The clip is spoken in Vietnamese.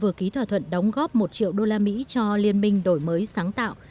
vừa ký thỏa thuận đóng góp một triệu đô la mỹ cho liên minh đổi mới sáng tạo